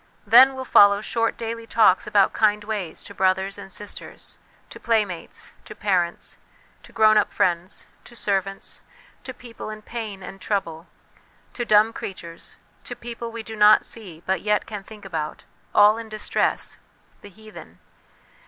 Then will follow short daily talks about kind ways, to brothers and sisters, to playmates, to parents, to grown up friends, to servants, to people in pain and trouble, to dumb creatures, to people we do not see but yet can think about all in distress, the heathen.